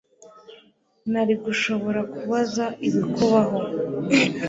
nari gushobora kubuza ibi kubaho